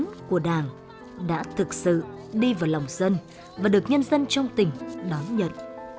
tổ chức thi công tác của đảng đã thực sự đi vào lòng dân và được nhân dân trong tỉnh đón nhận